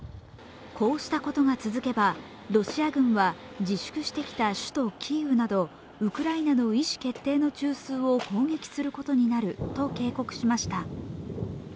こうしたことが続けばロシア軍は自粛してきた首都キーウなどウクライナの意思決定の中枢を攻撃することになると警告しました。